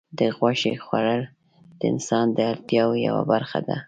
د غوښې خوړل د انسان د اړتیاوو یوه برخه ده.